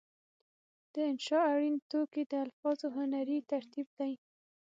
د انشأ اړین توکي د الفاظو هنري ترتیب دی.